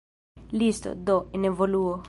Listo, do, en evoluo.